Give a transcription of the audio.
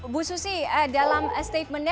bu susi dalam statementnya